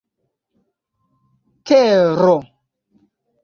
tero